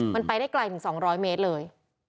มันไปได้ไกลถึง๒๐๐เมตรเลย